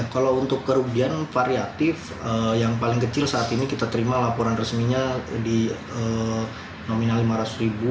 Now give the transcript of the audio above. kalau untuk kerugian variatif yang paling kecil saat ini kita terima laporan resminya di nominal rp lima ratus ribu